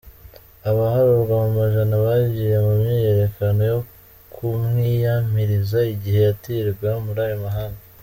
Abaharurwa mu majana bagiye mu myiyerekano yo kumwiyamiriza igihe yatirwa mur'ayo mabanga.